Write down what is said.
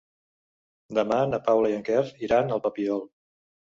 Demà na Paula i en Quer iran al Papiol.